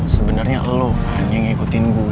sebenernya lu kan yang ngikutin gue